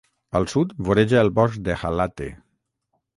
Al sud voreja el bosc de Halatte.